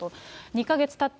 ２か月たった